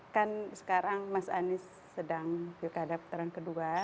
kan sekarang mas anies sedang pilkada putaran kedua